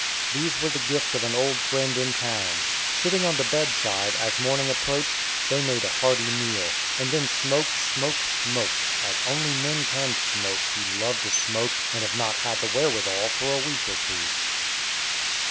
These were the gift of an old friend in town. Sitting on the bedside, as morning approached, they made a hearty meal, and then smoked, smoked, smoked, as only men can smoke who love to smoke and have not had the wherewithal for a week or two.